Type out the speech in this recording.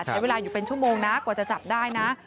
ใช้เวลาอยู่เป็นชั่วโมงนะกว่าจะจับได้นะ